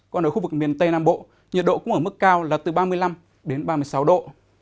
còn ở khu vực miền tây nam bộ nhiệt độ cũng ở mức cao là từ ba mươi năm đến ba mươi sáu độ